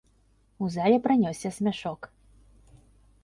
У зале пранёсся смяшок.